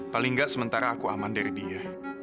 paling nggak sementara aku aman dari dia